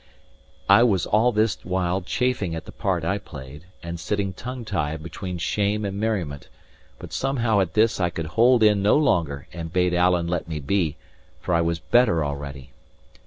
I was all this while chafing at the part I played, and sitting tongue tied between shame and merriment; but somehow at this I could hold in no longer, and bade Alan let me be, for I was better already.